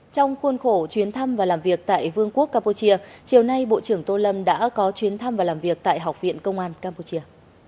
trong khuôn khổ chuyến thăm và làm việc tại vương quốc campuchia chiều nay bộ trưởng tô lâm đã có chuyến thăm và làm việc tại học viện công an campuchia